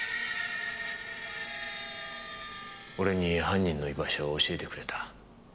俺に犯人の居場所を教えてくれた。